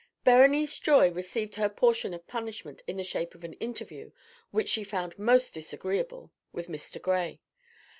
Berenice Joy received her portion of punishment in the shape of an interview, which she found most disagreeable, with Mr. Gray.